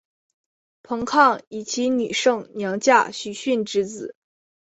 彭抗以其女胜娘嫁许逊之子。